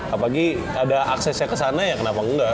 apalagi ada aksesnya kesana ya kenapa engga